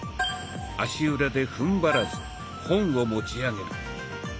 足裏でふんばらず本を持ち上げる。